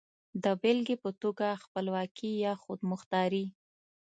د بېلګې په توګه خپلواکي يا خودمختاري.